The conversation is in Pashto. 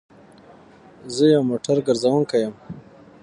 زه يو موټر ګرځونکی يم